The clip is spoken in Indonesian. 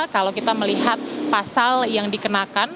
kalau kita melihat pasal yang dikenakan